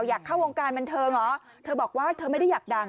อยากเข้าวงการบันเทิงเหรอเธอบอกว่าเธอไม่ได้อยากดัง